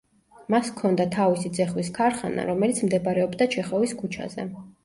მას ჰქონდა თავისი ძეხვის ქარხანა, რომელიც მდებარეობდა ჩეხოვის ქუჩაზე.